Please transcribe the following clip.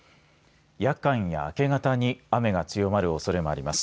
夜間や明け方に雨が強まるおそれもあります。